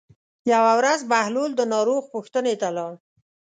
یوه ورځ بهلول د ناروغ پوښتنې ته لاړ.